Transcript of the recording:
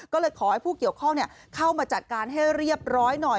ก็เลยขอให้ผู้เกี่ยวข้องเข้ามาจัดการให้เรียบร้อยหน่อย